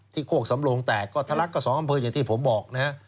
โคกสำโลงแตกก็ทะลักก็๒อำเภออย่างที่ผมบอกนะฮะ